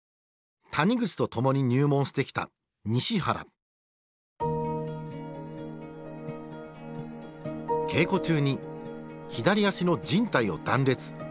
谷口と共に入門してきた稽古中に左足のじん帯を断裂。